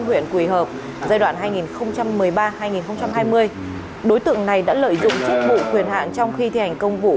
huyện quỳ hợp giai đoạn hai nghìn một mươi ba hai nghìn hai mươi đối tượng này đã lợi dụng chức vụ quyền hạn trong khi thi hành công vụ